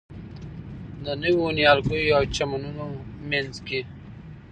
د نویو نیالګیو او چمنونو په منځ کې.